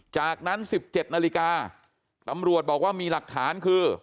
จากนั้น๑๗นาฬิกาตำรวจบอกว่ามีหลักฐานคือ